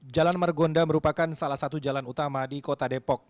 jalan margonda merupakan salah satu jalan utama di kota depok